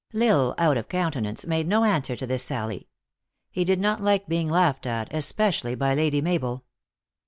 L Isle, out of countenance, made no answer to this sally. He did not like being laughed at, especially by Lady Mabel.